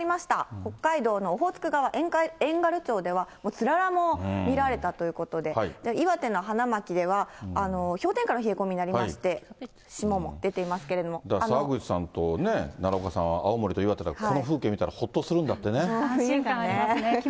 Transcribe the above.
北海道のオホーツク海側、遠軽町では、つららも見られたということで、岩手の花巻では、氷点下の冷え込みになりまして、澤口さんとね、奈良岡さんは、青森と岩手だから、この風景見たらほっとするんだってね。